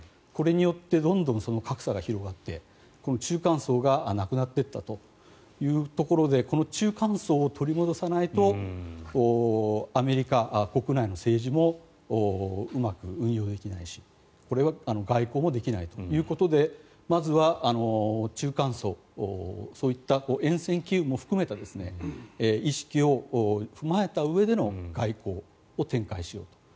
これによってどんどん格差が広がって中間層がなくなっていったというところでこの中間層を取り戻さないとアメリカ国内の政治もうまく運用できないし外交もできないということでまずは中間層、そういったえん戦機運も含めた意識を踏まえたうえでの外交を展開しようと。